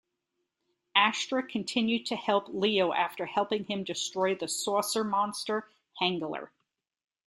Astra continued to help Leo after helping him destroy the Saucer Monster, Hangler.